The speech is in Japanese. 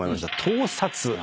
盗撮。